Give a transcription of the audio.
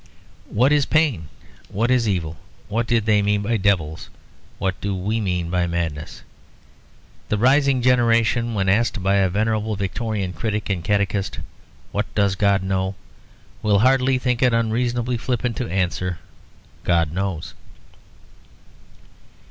What is pain? What is evil? What did they mean by devils? What do we mean by madness? The rising generation, when asked by a venerable Victorian critic and catechist, "What does God know?" will hardly think it unreasonably flippant to answer, "God knows."